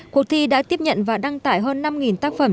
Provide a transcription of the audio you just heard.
cuộc thi đã tiếp nhận và đăng tải hơn năm tác phẩm